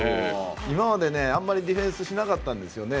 今まであんまりディフェンスしなかったんですよね。